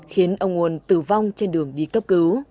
khiến ông uân tử vong trên đường đi cấp